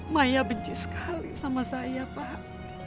maya benci sekali sama saya pak